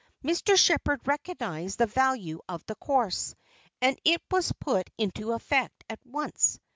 Mr. Sheppard recognized the value of the course, and it was put into effect at once.